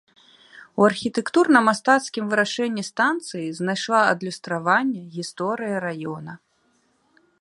У архітэктурна-мастацкім вырашэнні станцыі знайшла адлюстраванне гісторыя раёна.